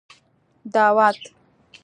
دعوت